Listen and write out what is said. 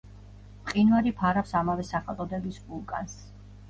მყინვარი ფარავს ამავე სახელწოდების ვულკანს.